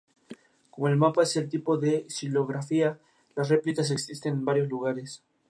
Como el mapa es el tipo de xilografía, las replicas existen en varios lugares.